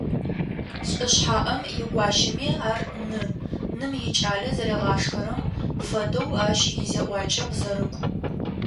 Лӏышъхьаӏэм игуащэми - ар ны, ным икӏалэ зэригъашхэрэм фэдэу ащ изекӏуакӏэ къызэрыкӏу.